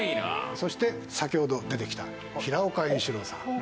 そして先ほど出てきた平岡円四郎さん。